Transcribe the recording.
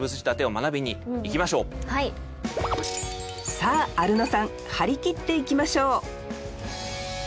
さあアルノさん張り切っていきましょう！